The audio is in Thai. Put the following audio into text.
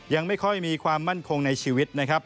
ยังไม่ค่อยมีความมั่นคงในชีวิตนะครับ